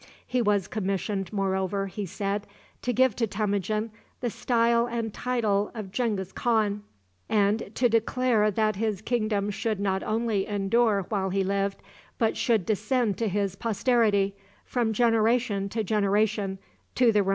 He was commissioned, moreover, he said, to give to Temujin the style and title of Genghis Khan,[D] and to declare that his kingdom should not only endure while he lived, but should descend to his posterity, from generation to generation, to the remotest times.